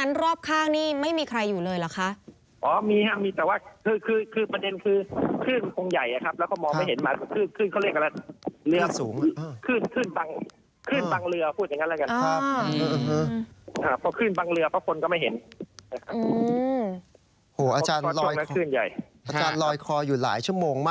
อาจารย์ลอยคออยู่หลายชั่วโมงมาก